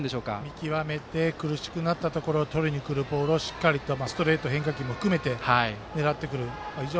見極めて苦しくなったところをとりにくるボールをしっかりとストレート変化球も含めて狙ってくる。